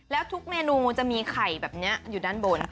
แล้วทุกเมนูจะมีไข่แบบนี้อยู่ด้านบน